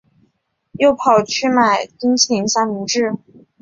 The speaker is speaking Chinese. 又跑去买冰淇淋三明治